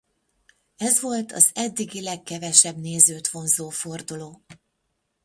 Ez volt az eddigi legkevesebb nézőt vonzó forduló.